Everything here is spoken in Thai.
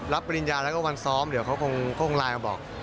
ปริญญาแล้วก็วันซ้อมเดี๋ยวเขาคงไลน์มาบอก